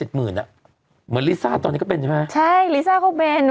เหมือนลิซ่าตอนนี้ก็เป็นใช่ไหมใช่ลิซ่าก็เป็น